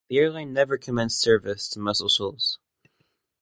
This airline never commenced service to Muscle Shoals.